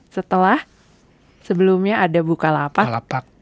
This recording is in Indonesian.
setelah sebelumnya ada bukalapak